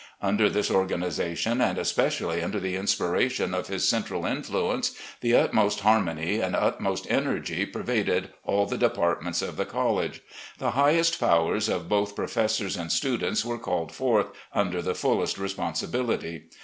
Under this organisation, and especially under the inspiration of his central influence, the utmost harmony and utmost energy pervaded all the departments of the college. The highest powers of both professors and students were called forth, under the fullest responsibility.